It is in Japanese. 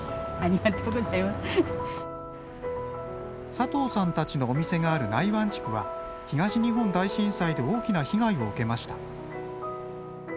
佐藤さんたちのお店がある内湾地区は東日本大震災で大きな被害を受けました。